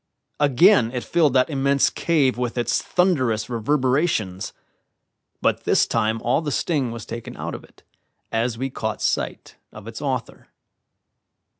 Again it filled that immense cave with its thunderous reverberations; but this time all the sting was taken out of it, as we caught sight of its author.